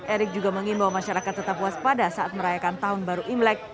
erick juga mengimbau masyarakat tetap waspada saat merayakan tahun baru imlek